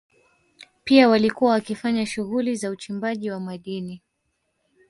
Pia walikuwa wakifanya shughuli za uchimbaji wa madini